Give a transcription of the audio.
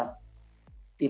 itu harus diperhatikan